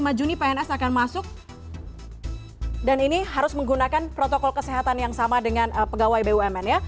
lima juni pns akan masuk dan ini harus menggunakan protokol kesehatan yang sama dengan pegawai bumn ya